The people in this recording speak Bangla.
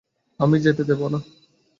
আমি যেতে দেব না।